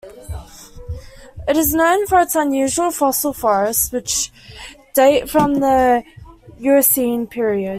It is known for its unusual fossil forests, which date from the Eocene period.